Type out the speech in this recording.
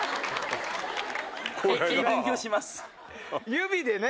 指でね。